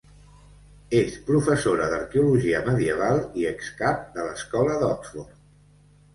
És professora d'arqueologia medieval i ex cap de l'Escola d'Oxford.